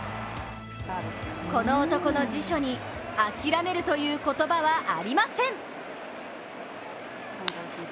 この男の辞書に諦めるという言葉はありません。